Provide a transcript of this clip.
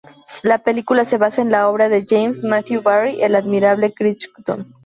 La película se basa en la obra de James Matthew Barrie El admirable Crichton.